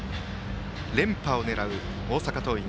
連覇を狙う大阪桐蔭。